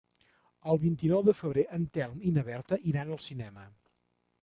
El vint-i-nou de febrer en Telm i na Berta iran al cinema.